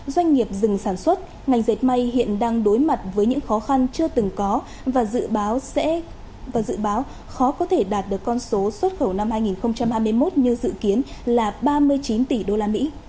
doanh nghiệp dừng sản xuất ngành dệt may hiện đang đối mặt với những khó khăn chưa từng có và dự báo khó có thể đạt được con số xuất khẩu năm hai nghìn hai mươi một như dự kiến là ba mươi chín tỷ usd